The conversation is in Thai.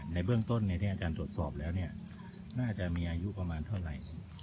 ในเบื้องต้นที่อาจารย์ตรวจสอบแล้วน่าจะมีอายุประมาณเท่าไหร่